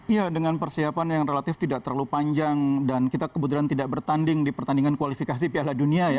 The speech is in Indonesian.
iya dengan persiapan yang relatif tidak terlalu panjang dan kita kebetulan tidak bertanding di pertandingan kualifikasi piala dunia ya